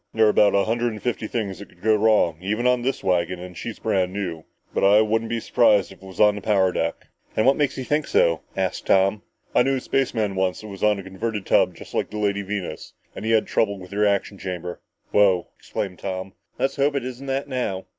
"There are a hundred and fifty things that could go wrong even on this wagon and she's brand new. But I wouldn't be surprised if it was on the power deck!" "And what makes you think so?" asked Tom. "I knew a spaceman once that was on a converted tub just like the Lady Venus and he had trouble with the reaction chamber." "Wow!" exclaimed Tom. "Let's hope it isn't that now!"